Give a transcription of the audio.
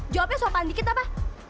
jawabnya sopan dikit apa